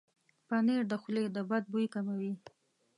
پنېر د خولې د بد بوي کموي.